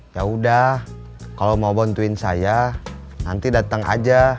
yaudah kalau mau bantuin saya nanti datang aja